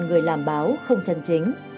người làm báo không chân chính